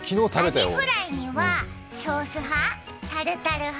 アジフライにはソース派タルタル派？